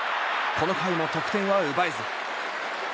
この回も得点は奪えず。